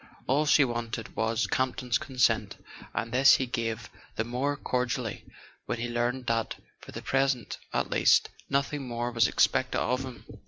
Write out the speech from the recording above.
All she wanted was Camp ton's consent; and this he gave the more cordially when he learned that, for the present at least, nothing more was expected of him.